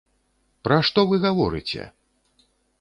Пра што вы гаворыце!